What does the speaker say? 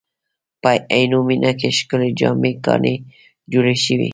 په عینومېنه کې ښکلې جامع ګانې جوړې شوې.